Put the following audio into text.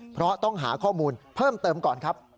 เพราะต้องหาข้อมูลเพิ่มเติมก่อนครับ